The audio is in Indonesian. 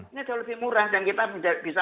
ini jauh lebih murah dan kita bisa